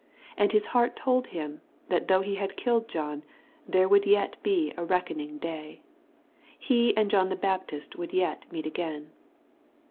And his heart told him, that though he had killed John, there would yet be a reckoning day. He and John the Baptist would yet meet again.